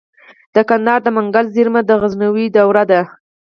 د کندهار د منگل زیرمه د غزنوي دورې ده